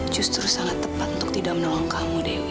justru sangat tepat untuk tidak menolong kamu dewi